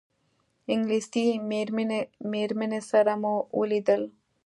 انګلیسي مېرمنې سره مو ولیدل.